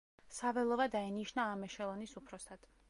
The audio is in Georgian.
საველოვა დაინიშნა ამ ეშელონის უფროსად.